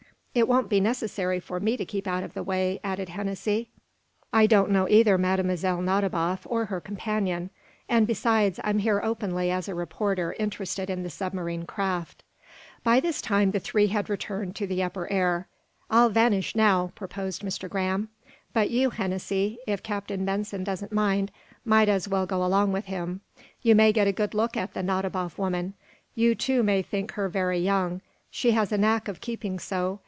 "It won't be necessary for me to keep out of the way," added Hennessy. "I don't know either Mlle. Nadiboff or her companion; and, besides, I'm here openly as a reporter interested in the submarine craft." By this time the three had returned to the upper air. "I'll vanish, now," proposed Mr. Graham. "But you, Hennessy, if Captain Benson doesn't mind, might as well go along with him. You may get a good look at the Nadiboff woman. You, too, may think her very young. She has a knack of keeping so.